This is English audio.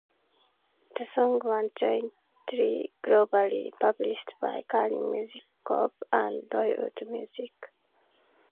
The song was jointly globally published by Carlin Music Corp and Roy Wood Music.